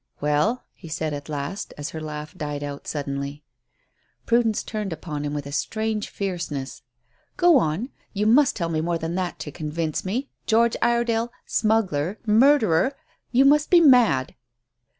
"Well?" he said at last, as her laugh died out suddenly. Prudence turned upon him with a strange fierceness. "Go on. You must tell me more than that to convince me. George Iredale smuggler, murderer! You must be mad!"